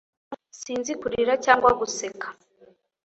Sinzi kurira cyangwa guseka